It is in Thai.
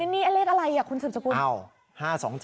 นี่เลขอะไรคุณสุดจะคุณ